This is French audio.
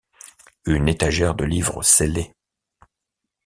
Une étagère de livres scellés.